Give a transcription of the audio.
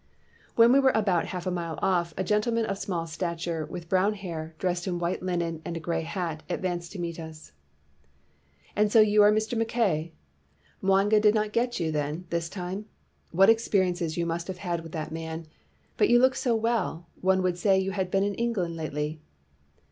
"When we were about half a mile off, a gentleman of small stature, with brown hair, dressed in white linen and a gray hat, advanced to meet us. " 'And so you are Mr. Mackay ? Mwanga did not get you then, this time ? What ex periences you must have had with that man ! But you look so well, one would say you had been to England lately.'